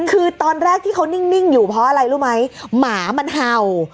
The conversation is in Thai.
คือตอนแรกที่เขานิ่งอยู่เพราะอะไรรู้ไหมหมามันเห่า